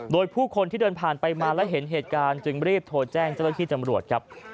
โดยผู้คนที่เดินผ่านไปมาและเห็นเหตุการณ์จึงรีบโทรแจ้งเจ้าหน้าที่จำรวจครับ